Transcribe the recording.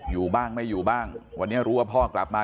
อยู่บ้างไม่อยู่บ้างวันนี้รู้ว่าพ่อกลับมา